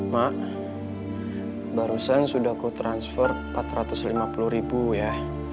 mak barusan sudah aku transfer rp empat ratus lima puluh ya